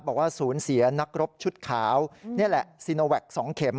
บอกว่าศูนย์เสียนักรบชุดขาวนี่แหละซีโนแวค๒เข็ม